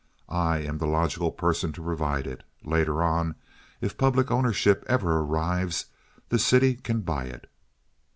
I am the logical person to provide it. Later on, if public ownership ever arrives, the city can buy it."